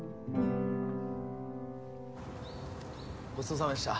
ごちそうさまでした。